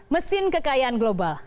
mesin kekayaan global